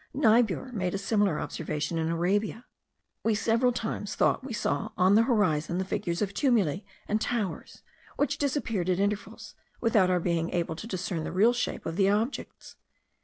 Niebuhr made a similar observation in Arabia. We several times thought we saw on the horizon the figures of tumuli and towers, which disappeared at intervals, without our being able to discern the real shape of the objects.